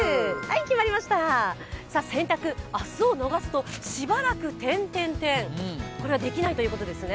決まりました、洗濯、明日と逃すとしばらくこれは、できないということですね？